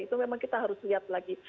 itu memang kita harus lihat lagi